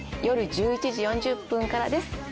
夜１１時４０分からです。